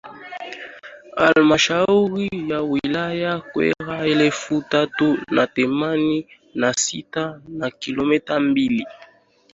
Halmashauri ya Wilaya Kyerwa elfu tatu na themanini na sita na kilometa mbili